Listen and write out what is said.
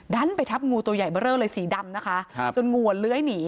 ดันไปทับงูตัวใหญ่เบอร์เรอเลยสีดำนะคะจนงูเหลื้อยหนี